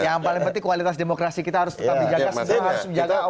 yang paling penting kualitas demokrasi kita harus tetap dijaga